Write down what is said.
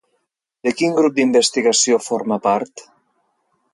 De quin grup d'investigació forma part?